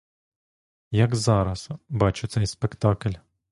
Як зараз бачу цей спектакль.